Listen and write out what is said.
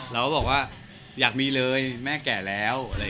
เราก็บอกว่าอยากมีเลยแม่แก่แล้ว